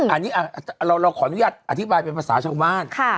อันนี้เราขออนุญาตอธิบายเป็นภาษาชาวบ้าน